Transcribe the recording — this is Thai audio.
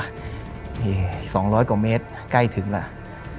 นี่๒๐๐กว่าเมตรใกล้ถึงแล้ว